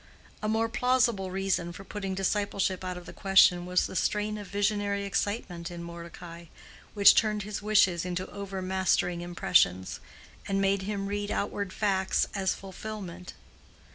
A more plausible reason for putting discipleship out of the question was the strain of visionary excitement in Mordecai, which turned his wishes into overmastering impressions, and made him read outward facts as fulfillment.